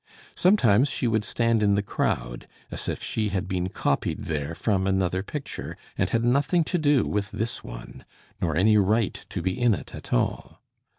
Sometimes she would stand in the crowd, as if she had been copied there from another picture, and had nothing to do with this one, nor any right to be in it at all.